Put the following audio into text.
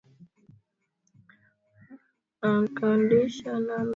katika kuboresha elimu na demokrasia nchini